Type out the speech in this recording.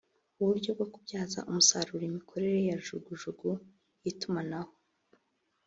uburyo bwo kubyaza umusaruro n’imikorere ya jugujugu y’itumanaho